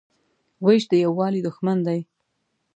وېش د یووالي دښمن دی.